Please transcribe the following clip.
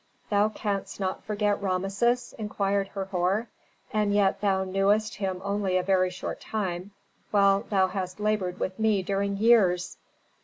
"Thou canst not forget Rameses?" inquired Herhor. "And yet thou knewest him only a very short time, while thou hast labored with me during years."